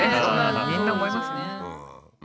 みんな思います。